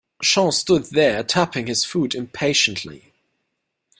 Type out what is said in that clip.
Sean stood there tapping his foot impatiently.